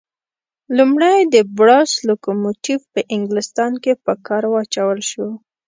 لومړی د بړاس لکوموټیف په انګلیستان کې په کار واچول شو.